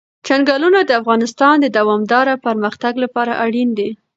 چنګلونه د افغانستان د دوامداره پرمختګ لپاره اړین دي.